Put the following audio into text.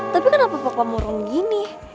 tapi kenapa pokoknya murung gini